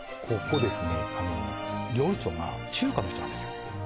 ここですねあの料理長が中華の人なんですよ